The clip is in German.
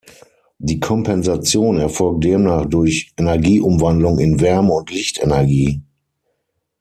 Die Kompensation erfolgt demnach durch Energieumwandlung in Wärme- und Lichtenergie.